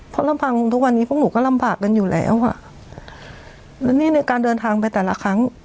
เพราะลำพังทุกวันนี้พวกหนูก็ลำบากกันอยู่แล้วค่ะแล้วนี่ในการเดินทางไปแต่ละครั้ง